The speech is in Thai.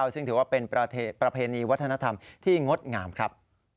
ซึ่งถือว่าเป็นประเพณีวัฒนธรรมที่งดงามครับ